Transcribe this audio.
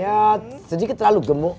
ya sedikit terlalu gemuk